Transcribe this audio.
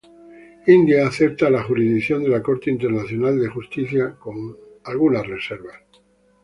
India acepta la jurisdicción de la Corte Internacional de Justicia con varias reservas.